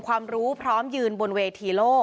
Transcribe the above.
คุณวราวุฒิศิลปะอาชาหัวหน้าภักดิ์ชาติไทยพัฒนา